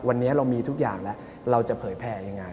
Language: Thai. วันนี้เรามีทุกอย่างแล้วเราจะเผยแผ่ยังไง